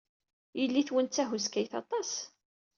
Yelli-twen d tahuskayt aṭas.